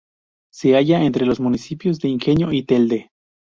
Se halla entre los municipios de Ingenio y Telde.